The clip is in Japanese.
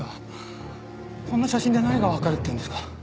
こんな写真で何がわかるっていうんですか？